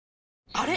あれ？